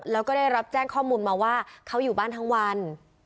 แล้วก็ได้รับแจ้งข้อมูลมาว่าเขาอยู่บ้านทั้งวัน